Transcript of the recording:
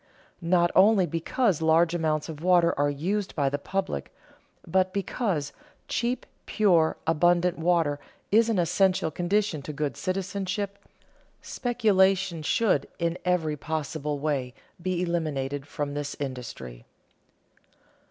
Not only because large amounts of water are used by the public, but because cheap, pure, abundant water is an essential condition to good citizenship, speculation should in every possible way be eliminated from this industry.